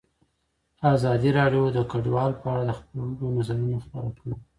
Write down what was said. ازادي راډیو د کډوال په اړه د خلکو نظرونه خپاره کړي.